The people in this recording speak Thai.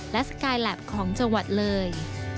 และสไกลับของจังหวัดเลย